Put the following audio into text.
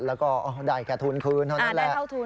แล้วก็ได้แค่ทุนคืนเท่านั้นแหละ